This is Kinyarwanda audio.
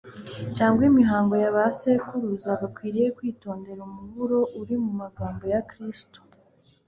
cyangwa imihango ya ba sekuruza bakwiriye kwitondera umuburo uri mu magambo ya Kristo,